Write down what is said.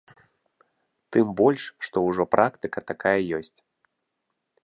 Тым больш, што ўжо практыка такая ёсць.